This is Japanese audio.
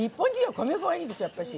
米粉がいいでしょ、やっぱり。